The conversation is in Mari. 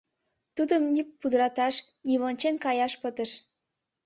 Тудым ни пудырташ, ни вончен каяш пытыш.